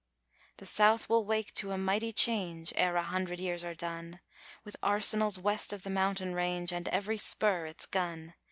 The South will wake to a mighty change ere a hundred years are done With arsenals west of the mountain range and every spur its gun.